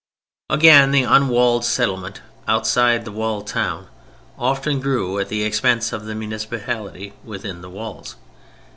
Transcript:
Again, the unwalled settlement outside the walled town often grew at the expense of the municipality within the walls.